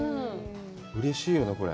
うれしいよね、これ。